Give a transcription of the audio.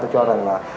cho rằng là